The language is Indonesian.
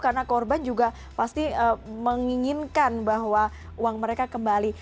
karena korban juga pasti menginginkan bahwa uang mereka kembali